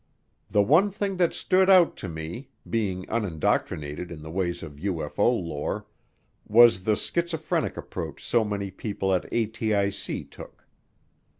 The one thing that stood out to me, being unindoctrinated in the ways of UFO lore, was the schizophrenic approach so many people at ATIC took.